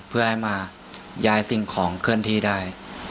เพื่อให้มาย้ายสิ่งของเคลื่อนที่ได้